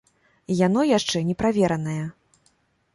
І яно яшчэ не праверанае.